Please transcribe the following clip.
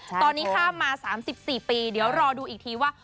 ตอนนี้ข้ามมา๓๔ปีเดี๋ยวรอดูอีกทีว่า